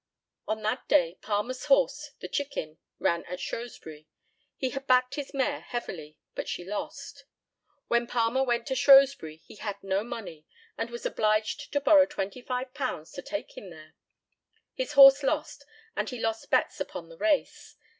On that day Palmer's horse, the Chicken, ran at Shrewsbury. He had backed his mare heavily, but she lost. When Palmer went to Shrewsbury he had no money, and was obliged to borrow £25 to take him there. His horse lost, and he lost bets upon the race.